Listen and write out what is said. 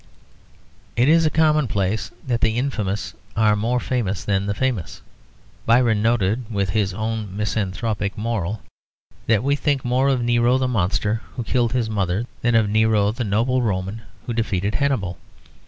It is a commonplace that the infamous are more famous than the famous. Byron noted, with his own misanthropic moral, that we think more of Nero the monster who killed his mother than of Nero the noble Roman who defeated Hannibal.